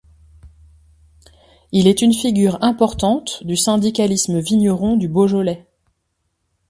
Il est une figure importante du syndicalisme vigneron du Beaujolais.